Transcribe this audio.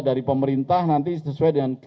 dari pemerintah nanti sesuai dengan